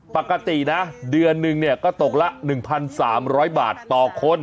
ปกตินะเดือนนึงเนี่ยก็ตกละ๑๓๐๐บาทต่อคน